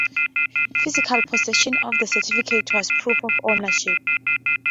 Physical possession of the certificate was proof of ownership.